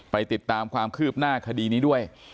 ติดตามความคืบหน้าคดีนี้ด้วย